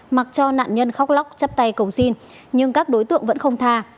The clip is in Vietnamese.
mặc cho nạn nhân khóc lóc chắp tay cầu xin nhưng các đối tượng vẫn không tha